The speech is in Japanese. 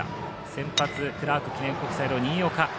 先発、クラーク記念国際の新岡。